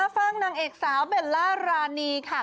นางเอกสาวเบลล่ารานีค่ะ